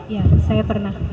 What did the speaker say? ya saya pernah